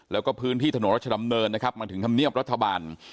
แล้วก็พื้นที่ถนนรัชดำเนินนะครับมาถึงธรรมเนียบรัฐบาล